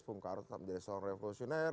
bung karno tetap menjadi seorang revolusioner